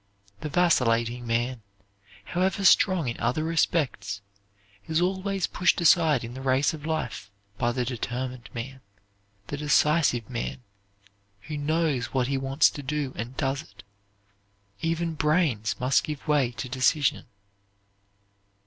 The vacillating man, however strong in other respects, is always pushed aside in the race of life by the determined man, the decisive man, who knows what he wants to do and does it; even brains must give way to decision.